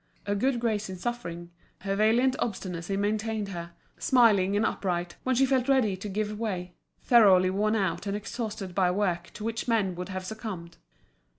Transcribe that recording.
Her good grace in suffering, her valiant obstinacy maintained her, smiling and upright, when she felt ready to give way, thoroughly worn out and exhausted by work to which men would have succumbed.